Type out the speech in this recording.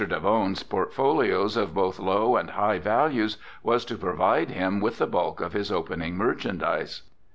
Davone's portfolios of both low and high values was to provide him with the bulk of his opening merchandise.